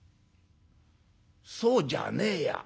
そうじゃねえや。